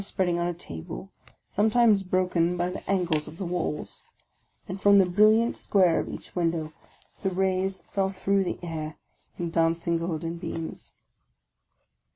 spreading on a table, sometimes broken by the angles of the OF A CONDEMNED 43 walls ; and from the brilliant square of each window the rays fell through the air in dancing golden beams.